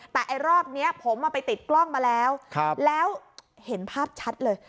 แต่ไอ้รอบนี้ผมไปติดกล้องมาแล้วแล้วเห็นภาพชัดเลย